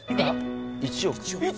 １億？